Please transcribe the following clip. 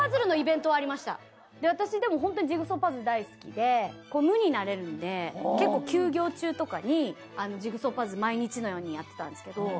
私でも本当にジグソーパズル大好きで無になれるので結構休業中とかにジグソーパズル毎日のようにやってたんですけど。